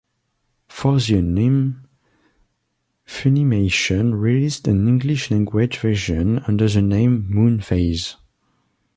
For the anime, Funimation released an English-language version under the name "Moon Phase".